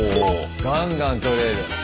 ガンガンとれる。